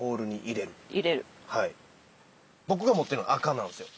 僕が持ってるの赤なんですよ。